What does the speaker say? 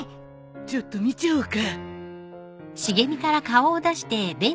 ちょっと見ちゃおうか。